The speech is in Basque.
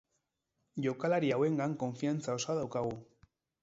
Jokalari hauengan kofiantza osoa daukagu.